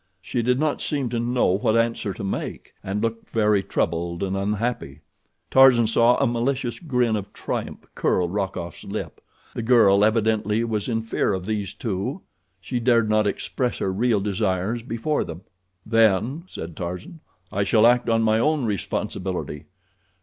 She did not seem to know what answer to make, and looked very troubled and unhappy. Tarzan saw a malicious grin of triumph curl Rokoff's lip. The girl evidently was in fear of these two—she dared not express her real desires before them. "Then," said Tarzan, "I shall act on my own responsibility.